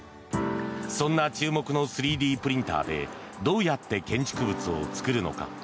そんな注目の３Ｄプリンターでどうやって建築物を造るのか。